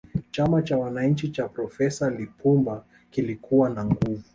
chama cha wananchi cha profesa lipumba kilikuwa na nguvu